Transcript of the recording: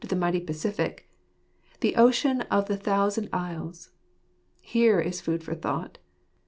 the mighty Pacific, the ocean of the thousand isles. Here is food for thought